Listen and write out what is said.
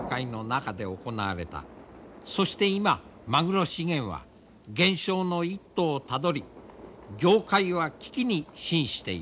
そして今マグロ資源は減少の一途をたどり業界は危機にひんしている。